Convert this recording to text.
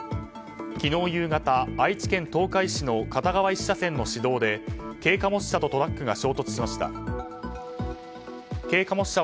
昨日夕方、愛知県東海市の片側１車線の市道で軽貨物車とトラックが衝突しました。